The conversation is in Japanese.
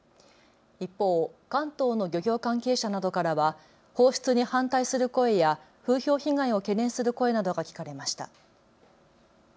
一方、関東の漁業関係者などからは放出に反対する声や風評被害を懸念する声などが聞かれました。